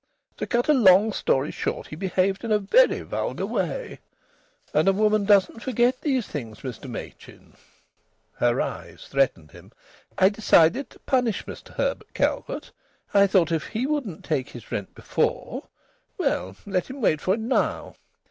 To cut a long story short, he behaved in a very vulgar way. And a woman doesn't forget these things, Mr Machin." Her eyes threatened him. "I decided to punish Mr Herbert Calvert. I thought if he wouldn't take his rent before well, let him wait for it now!